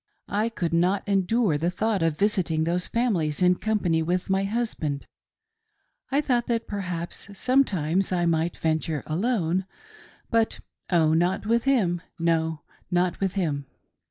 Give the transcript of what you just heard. I could not endure the thought of visiting those families in company with my husband. I thought that perhaps sometimes I might venture alone; but, Oh, not with him, — no, not with him.